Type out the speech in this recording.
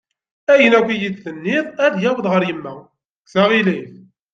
Ayen akk i iyi-d-tenniḍ ad yaweḍ ɣer yemma, kkes aɣilif.